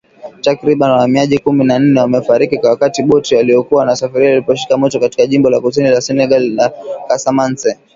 Takribani wahamiaji kumi na nne wamefariki wakati boti waliokua wanasafiria liliposhika moto katika jimbo la kusini la Senegal la Kasamance